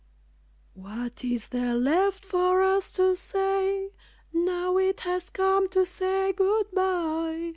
What is there left for us to say, Now it has come to say good by?